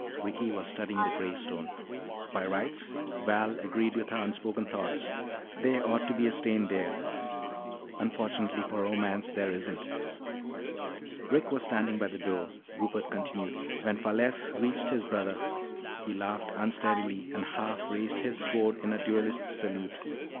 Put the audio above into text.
Ricky was studying the gray stone. "By rights," Val agreed with her unspoken thought, "there ought to be a stain there. Unfortunately for romance, there isn't." "Rick was standing by the door," Rupert continued. "When Falesse reached his brother, he laughed unsteadily and half raised his sword in a duelist's salute.